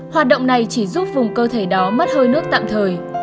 hoạt động này chỉ giúp vùng cơ thể đó mất hơi nước tạm thời